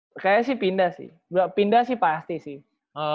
makanya sih pindah sih pindah sih pasti sih